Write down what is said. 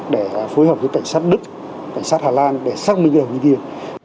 để phối hợp với cảnh sát đức cảnh sát hà lan để xác minh đồng như kia